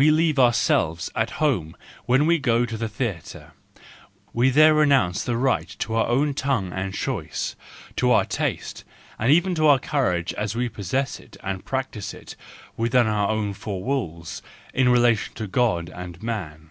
We leave ourselves at home when we go to the theatre ; we there renounce the right to our own tongue and choice, to our taste, and even to our courage as we possess it and practise it within our own four walls in relation to God and man.